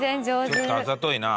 ちょっとあざといな。